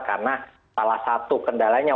karena salah satu kendalanya